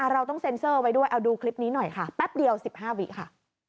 เราต้องเซ็นเซอร์ไว้ด้วยเอาดูคลิปนี้หน่อยค่ะแป๊บเดียว๑๕วิค่ะ